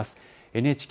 ＮＨＫ